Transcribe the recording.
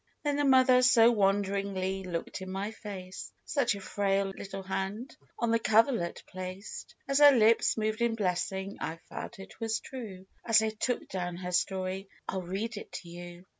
"Then the Mother so won deringly looked in my face; Such a frail little hand on the coverlet placed As her lips moved in blessing, I felt it was true, As I took down her story,— I'll read it to you